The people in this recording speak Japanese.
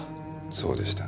そうでした。